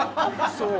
そう。